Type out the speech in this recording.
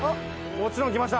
「もちろんきました！」